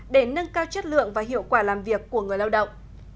để nâng cao chất lượng và hiệu quả làm việc của người lao động